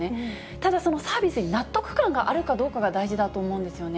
ただ、そのサービスに納得感があるかどうかが大事だと思うんですよね。